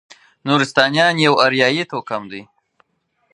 نورستانیان یو اریایي توکم دی.